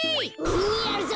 やるぞ！